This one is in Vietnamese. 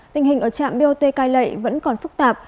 tình hình ở trạm bot cai lệ vẫn còn phức tạp